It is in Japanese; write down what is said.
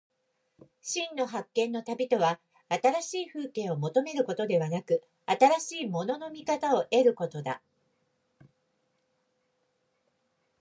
真の発見の旅とは、新しい風景を求めることでなく、新しいものの見方を得ることだ。